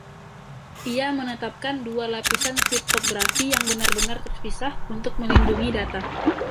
Ia menetapkan dua lapisan kriptografi yang benar-benar terpisah untuk melindungi data.